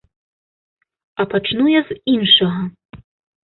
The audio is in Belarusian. А пачну я з іншага.